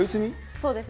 そうですね。